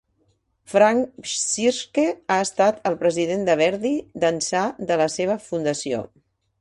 Frank Bsirske ha estat el president de Verdi d'ençà de la seva fundació.